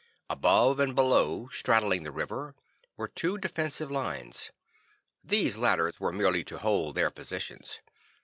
Above and below, straddling the river, were two defensive lines. These latter were merely to hold their positions.